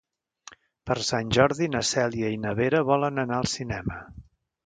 Per Sant Jordi na Cèlia i na Vera volen anar al cinema.